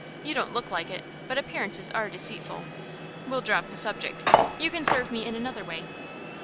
"You don't look like it, but appearances are deceitful. We'll drop the subject. You can serve me in another way.